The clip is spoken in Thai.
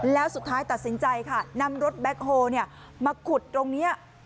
แล้วสุดท้ายตัดสินใจค่ะนำรถแบ็คโฮลมาขุดตรงนี้